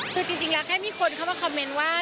คือจริงแล้วแค่มีคนเข้ามาคอมเมนต์ว่า